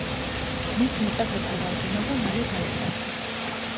მის მოწაფეთა რაოდენობა მალე გაიზარდა.